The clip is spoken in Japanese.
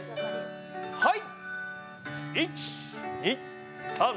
はい！